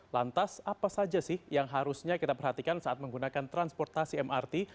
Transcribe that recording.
lantas apa saja sih yang harusnya kita perhatikan saat menggunakan transportasi mrt